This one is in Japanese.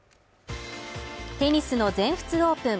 テニスの全仏オープン。